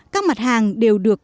các mặt hàng đều được